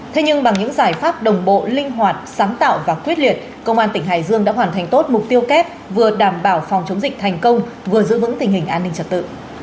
thế nhưng bằng những giải pháp đồng bộ linh hoạt sáng tạo và quyết liệt công an tỉnh hải dương đã hoàn thành tốt mục tiêu kép vừa đảm bảo phòng chống dịch thành công vừa giữ vững tình hình an ninh trật tự